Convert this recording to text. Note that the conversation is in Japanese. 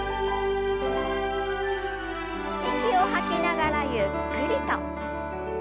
息を吐きながらゆっくりと。